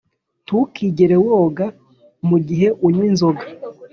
ntukigere woga mugihe unywa inzoga.